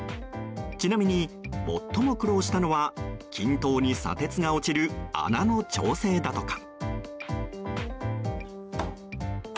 ちなみに最も苦労したのは均等に砂鉄が落ちる穴の調整だとか。